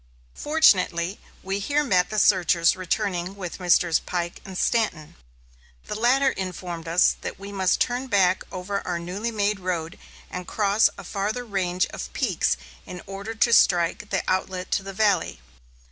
Fortunately, we here met the searchers returning with Messrs. Pike and Stanton. The latter informed us that we must turn back over our newly made road and cross a farther range of peaks in order to strike the outlet to the valley.